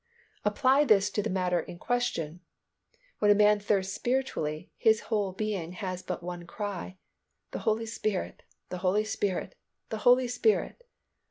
Apply this to the matter in question; when a man thirsts spiritually, his whole being has but one cry, "The Holy Spirit! The Holy Spirit! The Holy Spirit!"